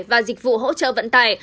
và dịch vụ hỗ trợ vận tải